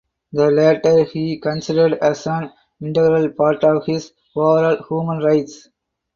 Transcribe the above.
The latter he considered as an integral part of his overall human rights.